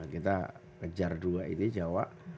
kita kejar dua ini jawa